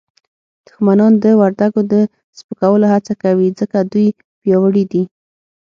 دښمنان د وردګو د سپکولو هڅه کوي ځکه دوی پیاوړي دي